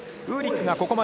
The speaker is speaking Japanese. ウーリック先行。